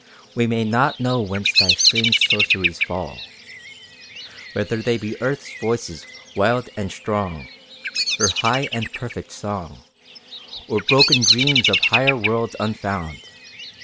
We may not know whence thy strange sorceries fall Whether they be Earth's voices wild and strong, Her high and perfect song. Or broken dreams of higher worlds unfound.